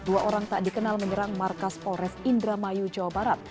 dua orang tak dikenal menyerang markas polres indramayu jawa barat